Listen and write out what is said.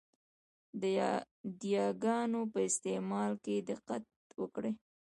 د یاګانو په استعمال کې دقت وکړئ!